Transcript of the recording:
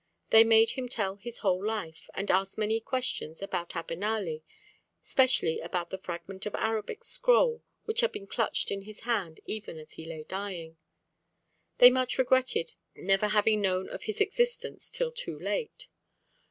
They made him tell his whole life, and asked many questions about Abenali, specially about the fragment of Arabic scroll which had been clutched in his hand even as he lay dying. They much regretted never having known of his existence till too late.